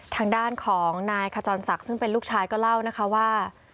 ทางด้านของนายขจรศักดิ์ซึ่งเป็นลูกชายก็เล่านะคะว่า